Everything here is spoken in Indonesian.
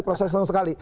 proses yang sekali